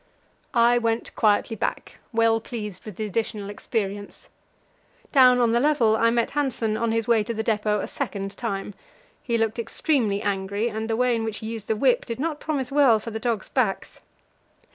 I went quietly back, well pleased with the additional experience. Down on the level I met Hanssen on his way to the depot a second time; he looked extremely angry, and the way in which he used the whip did not promise well for the dogs' backs.